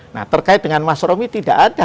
nah terkait dengan mas romi tidak ada